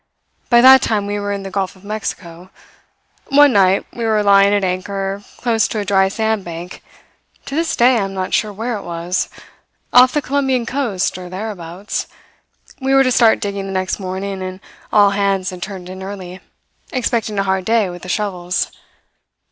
By that time we were in the Gulf of Mexico. One night we were lying at anchor, close to a dry sandbank to this day I am not sure where it was off the Colombian coast or thereabouts. We were to start digging the next morning, and all hands had turned in early, expecting a hard day with the shovels.